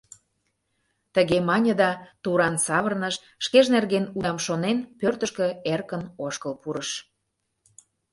Тыге мане да туран савырныш, шкеж нерген удам шонен, пӧртышкӧ эркын ошкыл пурыш.